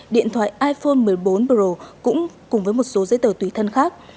điện thoại iphone một mươi bốn pro cũng cùng với một số giấy tờ tùy thân khác